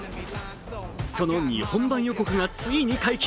その日本版予告がついに解禁。